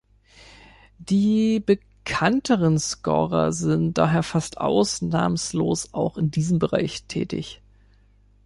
Die bekannteren Scorer sind daher fast ausnahmslos auch in diesem Bereich tätig.